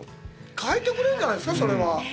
替えてくれるんじゃないですか、それは。